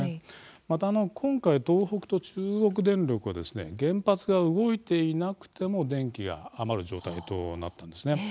また今回、東北と中国電力は原発が動いていなくても電気が余る状態となったんですね。